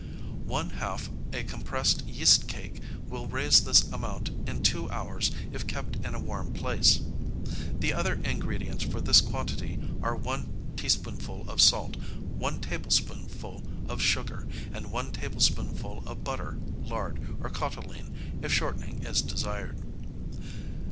One half a compressed yeast cake will raise this amount in two hours if kept in a warm place. The other ingredients for this quantity are one teaspoonful of salt, one tablespoonful of sugar, and one tablespoonful of butter, lard, or cottolene, if shortening is desired.